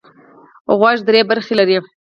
غوږ درې برخې لري.